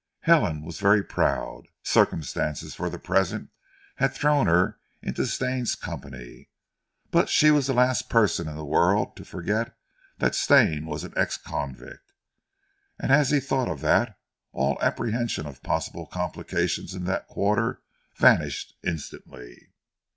Helen was very proud. Circumstances for the present had thrown her into Stane's company, but she was the last person in the world to forget that Stane was an ex convict, and as he thought of that, all apprehension of possible complications in that quarter vanished instantly.